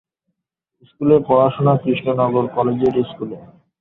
স্কুলের পড়াশোনা কৃষ্ণনগর কলেজিয়েট স্কুলে।